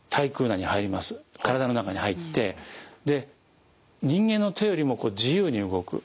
体の中に入ってで人間の手よりも自由に動く。